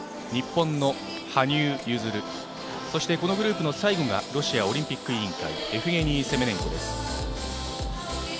日本の羽生結弦そしてこのグループの最後がロシアオリンピック委員会エフゲニー・セメネンコです。